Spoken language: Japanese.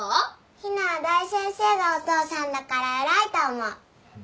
陽菜は大先生がお父さんだから偉いと思う。